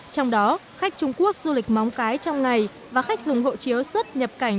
trong đó khách trung quốc du lịch móng cái trong ngày và khách dùng hộ chiếu xuất nhập cảnh